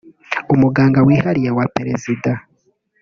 Umuganga wihariye wa perezida